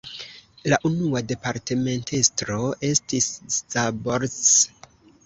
La unua departementestro estis "Szabolcs".